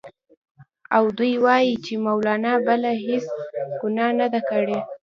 او دوی وايي چې مولنا بله هېڅ ګناه نه ده کړې.